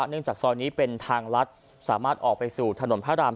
จากซอยนี้เป็นทางลัดสามารถออกไปสู่ถนนพระราม